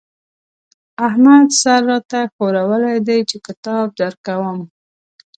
احمد سر را ته ښورولی دی چې کتاب درکوم.